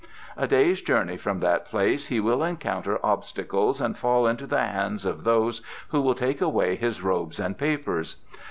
A day's journey from that place he will encounter obstacles and fall into the hands of those who will take away his robes and papers.